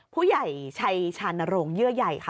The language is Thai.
ผู้ใหญ่ชัยชานโรงเยื่อใหญ่ค่ะ